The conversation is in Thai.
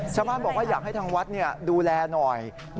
ชาวบ้านบอกว่าอยากให้ทางวัดดูแลหน่อย